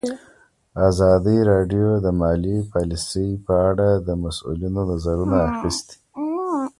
ازادي راډیو د مالي پالیسي په اړه د مسؤلینو نظرونه اخیستي.